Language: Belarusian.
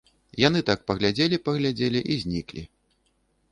Яны так паглядзелі, паглядзелі і зніклі.